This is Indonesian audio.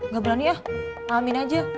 gak berani ya ngamin aja